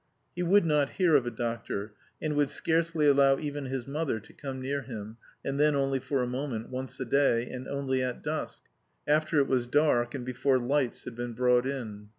He would not hear of a doctor, and would scarcely allow even his mother to come near him, and then only for a moment, once a day, and only at dusk, after it was dark and before lights had been brought in.